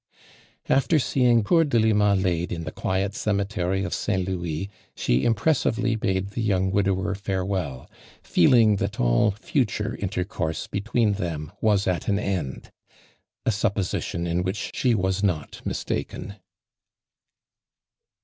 After seeing poor Delima laid in the (juiel cemetery of Saint Louis she impressively bade tiie young widower farewell, feeling that all future intercourse between them was at an end, a supposition in which she was not mistaken.